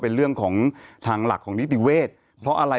เป็นเรื่องของทางหลักของนิติเวทย์เพราะอะไร